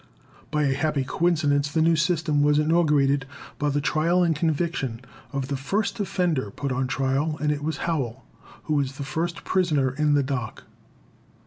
By a happy coincidence the new system was inaugurated by the trial and conviction of the first offender put on trial, and it was Howell who was the first prisoner in the dock.